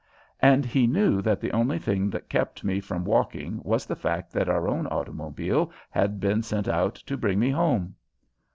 And he knew that the only thing that kept me from walking was the fact that our own automobile had been sent out to bring me home.